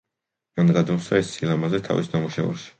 მან გადმოსცა ეს სილამაზე თავის ნამუშევარში.